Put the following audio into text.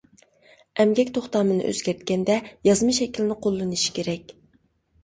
ئەمگەك توختامىنى ئۆزگەرتكەندە يازما شەكىلنى قوللىنىشى كېرەك.